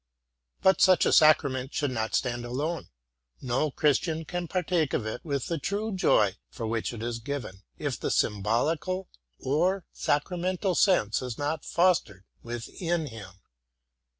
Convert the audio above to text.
3ut such a sacrament should not stand alone: no Christian ean partake of it with the true joy for which it is given, if the symbolical or sacramental sense is not fostered within him.